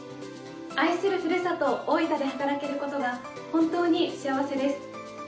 愛するふるさと大分で働けることが本当に幸せです。